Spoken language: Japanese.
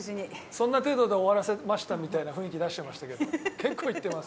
そんな程度で終わらせましたみたいな雰囲気出してましたけど結構いってます。